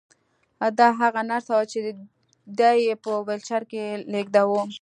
دا هغه نرس وه چې دی یې په ويلچر کې لېږداوه